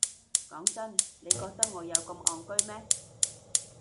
講真，你覺得我有咁戇居咩？